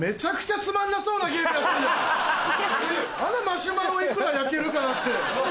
『マシュマロいくら焼けるかな』って。